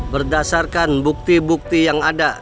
berdasarkan bukti bukti yang ada